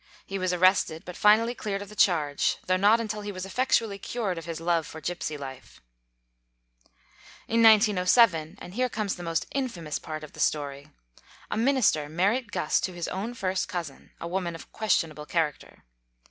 He was arrested, but finally cleared of the charge, though not until he was effectually cured of his love for gypsy life. In 1907, and here comes the most infamous part of "the story, a minister married Guss to his own first cousin, a woman of questionable character.